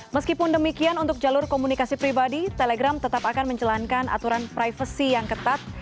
meskipun demikian untuk jalur komunikasi pribadi telegram tetap akan menjalankan aturan privasi yang ketat